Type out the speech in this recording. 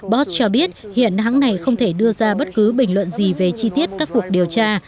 bott cho biết hiện hãng này không thể đưa ra bất cứ bình luận gì về chi tiết các cuộc điều tra